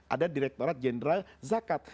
ada direktorat jenderal zakat